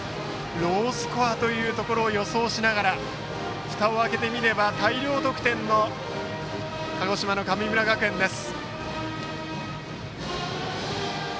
ロースコアというところを予想しながらふたを開けてみれば大量得点の鹿児島の神村学園です。